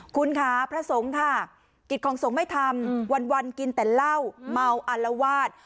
คุณค่ะพระสงฆ์ค่ะกิจของสงฆ์ไม่ทำวันกินแต่เหล้าเมาอารวาส